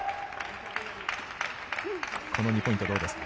この２ポイントどうですか？